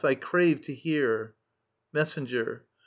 ... I crave to hear. Messenger.